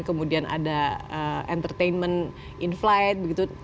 kemudian ada entertainment in flight begitu